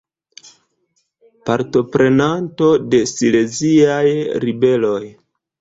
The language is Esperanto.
Partoprenanto de Sileziaj Ribeloj.